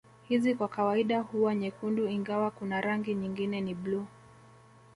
Hizi kwa kawaida huwa nyekundu ingawa kuna rangi nyingine ni blue